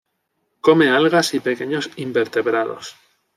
Come algas y pequeños invertebrados.